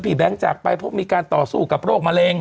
แบงค์จากไปเพราะมีการต่อสู้กับโรคมะเร็ง